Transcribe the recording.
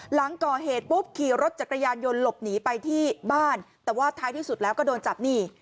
หลังก่อเหตุปุ๊บขี่รถจักรยานยนต์หลบหนีไปที่บ้านแต่ว่าท้ายที่สุดแล้วก็โดนจับนี่